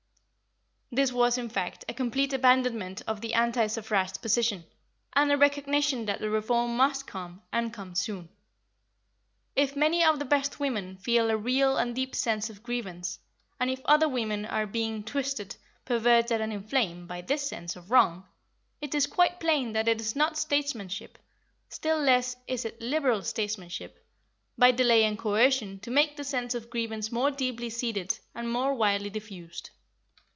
This was, in fact, a complete abandonment of the anti suffrage position, and a recognition that the reform must come, and come soon. If many of the best women feel a real and deep sense of grievance, and if other women are being "twisted, perverted, and inflamed" by this sense of wrong, it is quite plain that it is not statesmanship, still less is it Liberal statesmanship, by delay and coercion to make the sense of grievance more deeply seated and more widely diffused.